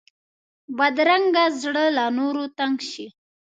بدرنګه زړه له نورو تنګ شي